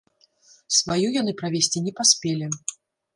Сваю яны правесці не паспелі.